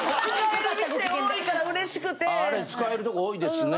あれ使えるとこ多いですね。